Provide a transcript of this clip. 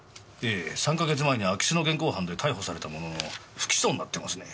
ええ３か月前に空き巣の現行犯で逮捕されたものの不起訴になってますね。